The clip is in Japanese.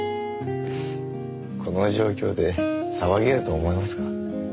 この状況で騒げると思いますか？